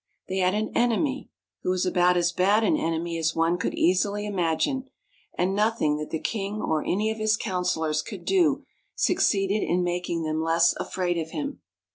They had an enemy, who was about as bad an enemy as one could easily imagine; and nothing that the king or any of his counselors could do succeeded in making them less afraid of him.